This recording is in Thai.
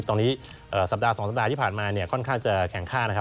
ตอนนี้สัปดาห์๒สัปดาห์ที่ผ่านมาเนี่ยค่อนข้างจะแข็งค่านะครับ